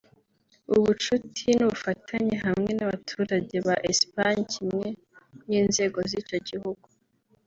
ubucuti n’ ubufatanye hamwe n’ abaturage ba Espagne kimwe n’ inzego z’ icyo gihugu